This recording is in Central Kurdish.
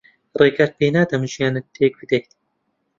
ڕێگەت پێ نادەم ژیانت تێک بدەیت.